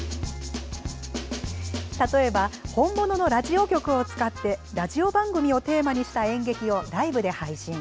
例えば本物のラジオ局を使ってラジオ番組をテーマにした演劇をライブで配信。